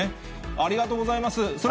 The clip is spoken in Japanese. ありがとうございます。